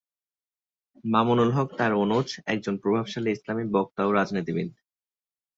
মামুনুল হক তার অনুজ, একজন প্রভাবশালী ইসলামি বক্তা ও রাজনীতিবিদ।